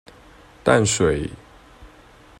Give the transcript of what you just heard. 淡水